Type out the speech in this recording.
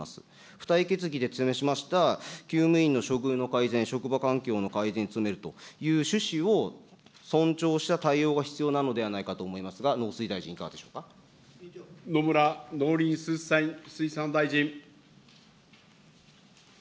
付帯決議でしました、きゅう務員の処遇の改善、職場環境の改善に努めるという趣旨を尊重した対応が必要なのではないかと思いますが、農水大臣、いかがでしょう野村農林水産大臣。